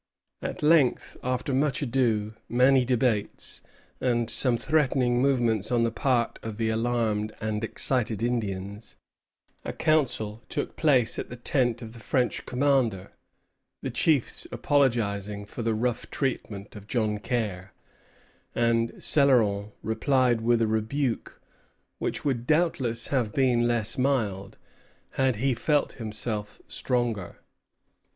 At length, after much ado, many debates, and some threatening movements on the part of the alarmed and excited Indians, a council took place at the tent of the French commander; the chiefs apologized for the rough treatment of Joncaire, and Céloron replied with a rebuke, which would doubtless have been less mild, had he felt himself stronger.